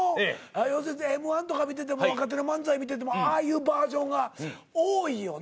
要するにＭ−１とか見てても若手の漫才見ててもああいうバージョンが多いよね。